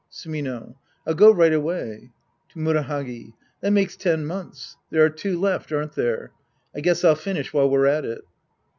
Sumino. I'll go light away. (To Murahagi.) That makes ten months. There are two left, aren't there ? I guess I'll finish while we're at it.